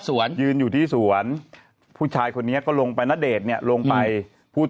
ยืนอยู่ที่สวนผู้ชายคนนี้ก็ลงไปณเดชน์เนี่ยลงไปพูด